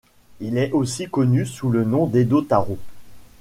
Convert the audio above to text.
Il est aussi connu sous le nom d'Edo Taro.